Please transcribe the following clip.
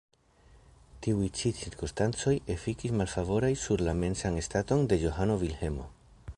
Tiuj ĉi cirkonstancoj efikis malfavoraj sur la mensan staton de Johano Vilhelmo.